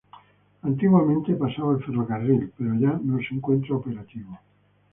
Antiguamente pasaba el ferrocarril, pero ya no se encuentra operativo.